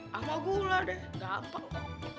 sampai gula deh gampang kok